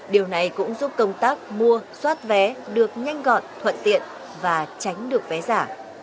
điều này cũng giúp công tác mua soát vé được nhanh gọn thuận tiện và tránh được vé giả